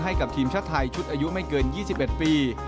ให้กับทีมชาติไทยชุดอายุไม่เกิน๒๑ปี